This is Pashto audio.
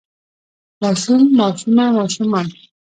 ماشوم ماشومه ماشومان